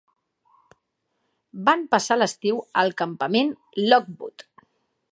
Van passar l'estiu al campament Lockwood.